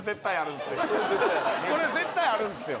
これ絶対あるんですよ